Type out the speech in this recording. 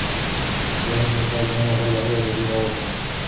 موټر چلونکي د خپلې کورنۍ لپاره د حلالې روزۍ دعا وکړه.